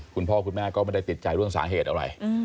คุณพ่อคุณแม่ก็ไม่ได้ติดใจเรื่องสาเหตุอะไร